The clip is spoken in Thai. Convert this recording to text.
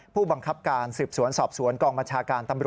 ผู้บังคับการสืบสวนสอบสวนกลองมัชการ